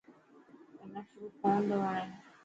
منا فروٽ ڪونٿو وڻي.